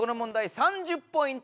３０ポイント